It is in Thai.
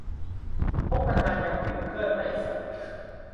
คบกันนานยัง ปิดเพื่อนนะ ไอ้สัด